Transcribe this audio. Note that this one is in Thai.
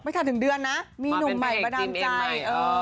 ไม่ทันถึงเดือนนะมีหนุ่มใหม่ประดับใจ